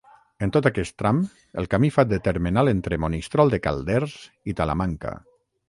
En tot aquest tram el camí fa de termenal entre Monistrol de Calders i Talamanca.